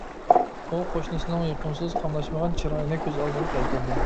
ئۇ قوشنىسىنىڭ يېقىمسىز، قاملاشمىغان چىرايىنى كۆز ئالدىغا كەلتۈردى.